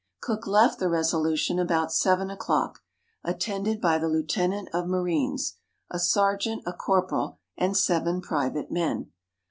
Cook left the Resolution about seven o'clock, attended by the lieutenant of marines, a sergeant, a corporal, and seven private men.